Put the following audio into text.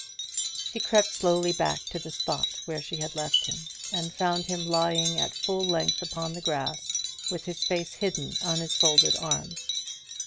She crept slowly back to the spot where she had left him, and found him lying at full length upon the grass, with his face hidden on his folded arms.